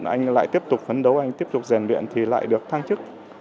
anh lại tiếp tục phấn đấu anh tiếp tục giàn viện thì lại được thăng chức